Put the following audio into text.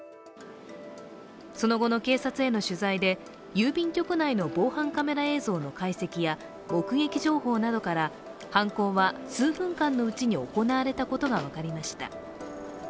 その後の警察への取材で郵便局内の防犯カメラ映像の解析や目撃情報などから犯行は数分間のうちに行われたことが分かりました。